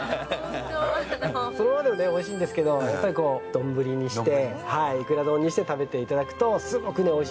そのままでもねおいしいんですけどやっぱり丼にしていくら丼にして食べていただくとすごくねおいしいと思います。